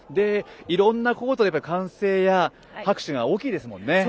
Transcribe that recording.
いろんなコート、歓声や拍手が大きいですもんね。